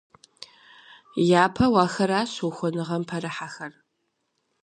Япэу ахэращ ухуэныгъэм пэрыхьэхэр.